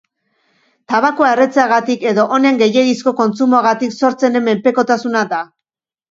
Tabakoa erretzeagatik edo honen gehiegizko kontsumoagatik sortzen den menpekotasuna da.